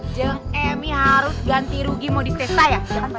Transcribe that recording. jeh emi harus ganti rugi modis tesa ya